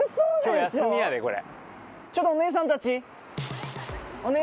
今日休みやでこれ。